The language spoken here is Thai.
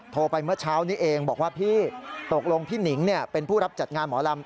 ไปเมื่อเช้านี้เองบอกว่าพี่ตกลงพี่หนิงเป็นผู้รับจัดงานหมอลำ